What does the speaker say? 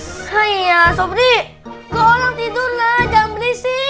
saya sopi goreng tidur aja berisi